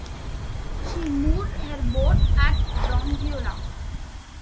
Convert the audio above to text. She moored her boat at Donguila.